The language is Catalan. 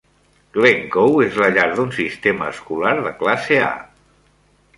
Glencoe és la llar d'un sistema escolar de classe A.